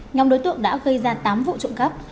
nhóm đối tượng đã gây ra tám vụ trộm cắp